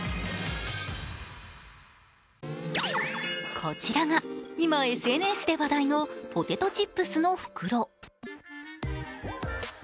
こちらが今、ＳＮＳで話題のポテトチップスの袋。